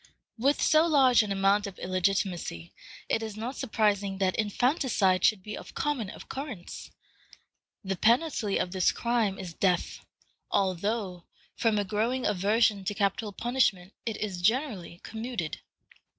With so large an amount of illegitimacy, it is not surprising that infanticide should be of common occurrence. The penalty of this crime is death, although, from a growing aversion to capital punishment, it is generally commuted.